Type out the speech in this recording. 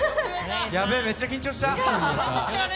やべー、めっちゃ緊張した。